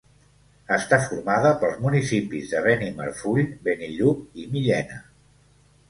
Està formada pels municipis de Benimarfull, Benillup, i Millena.